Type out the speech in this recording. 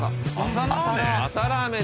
朝ラーメン？